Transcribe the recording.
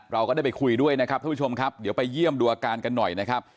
เราก็ได้ไปคุยด้วยนะครับท่านผู้ชมครับเดี๋ยวไปเยี่ยมดูอาการกันหน่อยนะครับ